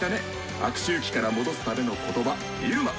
悪周期から戻すための言葉「入間」！